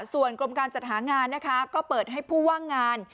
ส่วนกรมการจัดหางานนะคะก็เปิดให้ผู้ว่างงาน